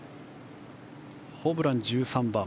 ホブラン、１３番。